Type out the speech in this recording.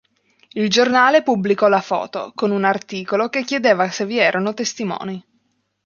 Il giornale pubblicò la foto, con un articolo che chiedeva se vi erano testimoni.